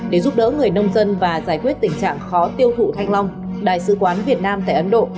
để giúp đỡ người nông dân và giải quyết tình trạng khó tiêu thụ thanh long đại sứ quán việt nam tại ấn độ